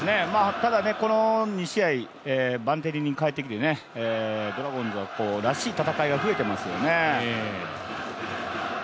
この２試合、バンテリンに帰ってきてドラゴンズらしい戦いが増えていますよね。